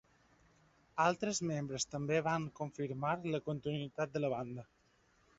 Altres membres també van confirmar la continuïtat de la banda.